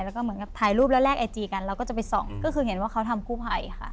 แล้วก็เหมือนกับถ่ายรูปแล้วแลกไอจีกันเราก็จะไปส่องก็คือเห็นว่าเขาทำกู้ภัยค่ะ